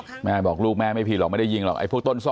แต่มันถือปืนมันไม่รู้นะแต่ตอนหลังมันจะยิงอะไรหรือเปล่าเราก็ไม่รู้นะ